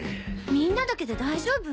みんなだけで大丈夫？